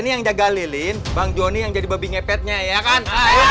yang jaga lilin bang johnny yang jadi lebih ngepetnya ya kan